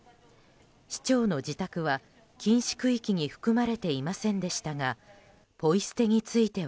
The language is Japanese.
市長の自宅は禁止区域に含まれていませんでしたがポイ捨てについては。